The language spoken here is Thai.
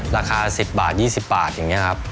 ราคา๑๐บาท๒๐บาทอย่างนี้ครับ